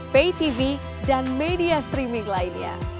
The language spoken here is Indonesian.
baytv dan media streaming lainnya